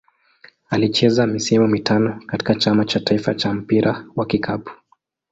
Alicheza misimu mitano katika Chama cha taifa cha mpira wa kikapu.